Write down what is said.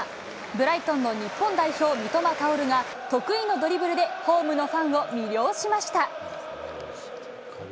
ブライトンの日本代表、三笘薫が、得意のドリブルでホームのファンを魅了しました。